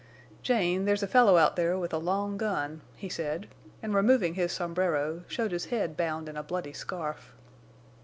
"Jane, there's a fellow out there with a long gun," he said, and, removing his sombrero, showed his head bound in a bloody scarf.